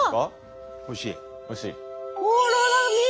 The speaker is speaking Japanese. おいしい？